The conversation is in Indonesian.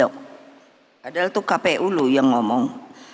padahal itu kpu loh yang ngomong